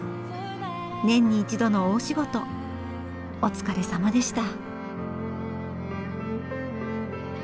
年に一度の大仕事お疲れさまでした。